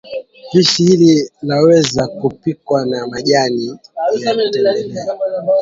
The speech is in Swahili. Pishi hili laweza kupikwa na majani ya matembele